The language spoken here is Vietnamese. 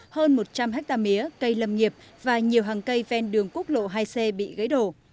hơn một trăm linh hectare mía cây lâm nghiệp và nhiều hàng cây ven đường quốc lộ hai c bị gãy đổ